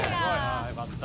よかった。